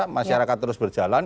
masyarakat terus berjalan